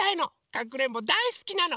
かくれんぼだいすきなの！